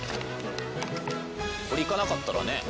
これいかなかったらねえ。